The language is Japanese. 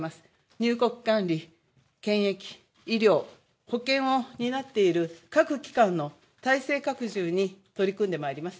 入国管理、検疫、医療、保険を担っている各機関の体制拡充に取り組んでまいります。